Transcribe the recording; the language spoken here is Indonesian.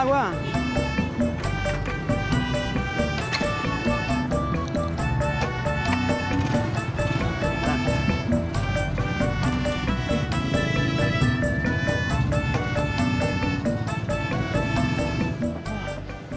tidak ada yang nanya